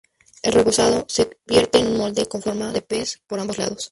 El rebozado se vierte en un molde con forma de pez por ambos lados.